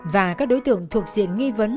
và các đối tượng thuộc diện nghi vấn